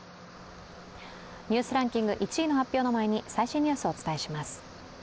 「ニュースランキング」１位の発表の前に最新ニュースをお伝えします。